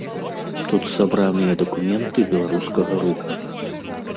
Тут сабраныя дакументы беларускага руху.